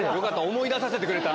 思い出させてくれた。